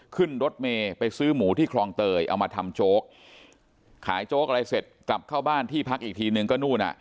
ขึ้นรถเมย์ไปซื้อหมูที่คลองเตยเอามาทำโจ๊กขายโจ๊กอะไรเสร็จกลับเข้าบ้านที่พักอีกทีนึงก็นู่นอ่ะ